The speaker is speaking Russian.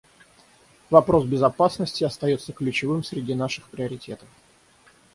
Вопрос безопасности остается ключевым среди наших приоритетов.